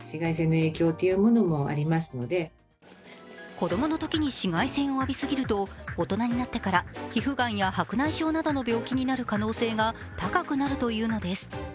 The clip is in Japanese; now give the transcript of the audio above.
子供のときに紫外線を浴びすぎると皮膚がんや白内障などの病気になる可能性が高くなるというのです。